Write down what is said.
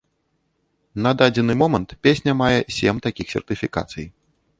На дадзены момант песня мае сем такіх сертыфікацый.